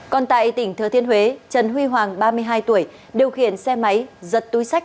còn tại tỉnh thừa thiên huế trần huy hoàng ba mươi hai tuổi điều khiển xe máy giật túi sách